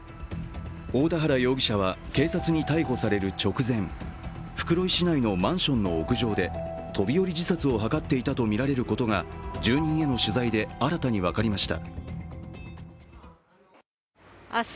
大田原容疑者は警察に逮捕される直前、袋井市内のマンションの屋上で飛び降り自殺を図っていたとみられることが住人への取材で新たに分かりました。